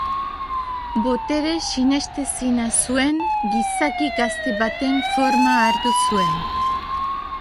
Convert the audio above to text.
Botere sinestezina zuen gizaki gazte baten forma hartu zuen.